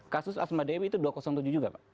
kasus asma dewi itu dua ratus tujuh juga pak